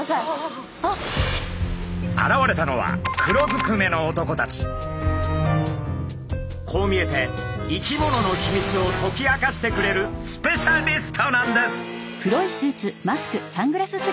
現れたのはこう見えて生き物のヒミツを解き明かしてくれるスペシャリストなんです。